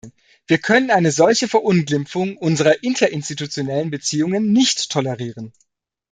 Wir können eine solche Verunglimpfung unserer interinstitutionellen Beziehungen nicht tolerieren.